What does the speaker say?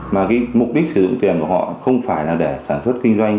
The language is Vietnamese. mà cái mục đích sử dụng tiền của họ không phải là để sản xuất kinh doanh